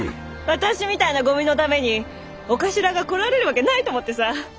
私みたいなごみのために長官が来られる訳ないと思ってさ。